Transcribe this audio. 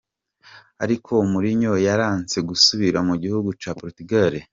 Ariko Mourinho yaranse gusubira mu gihugu ca Portugal.